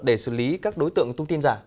để xử lý các đối tượng thông tin giả